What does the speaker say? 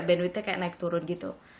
bandwidth nya kayak naik turun gitu